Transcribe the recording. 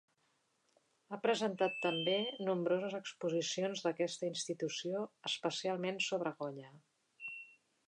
Ha presentat també nombroses exposicions d'aquesta institució, especialment sobre Goya.